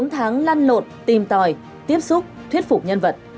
bốn tháng lan lột tìm tòi tiếp xúc thuyết phục nhân vật